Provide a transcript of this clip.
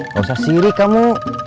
gak usah sirih kamu